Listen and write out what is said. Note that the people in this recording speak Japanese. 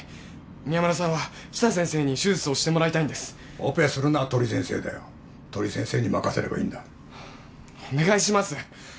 宮村さんは北先生に手術をしてもらいたいんですオペするのは鳥先生だよ鳥先生に任せればいいんだお願いします